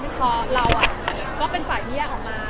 แล้วเพราะเราก็เป็นฝ่ายเฮียออกมา